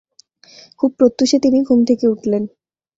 খুব প্রত্যুষে তিনি ঘুম থেকে উঠলেন।